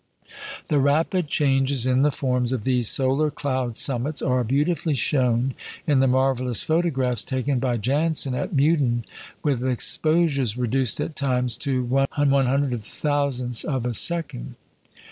The rapid changes in the forms of these solar cloud summits are beautifully shown in the marvellous photographs taken by Janssen at Meudon, with exposures reduced at times to 1/100000 of a second!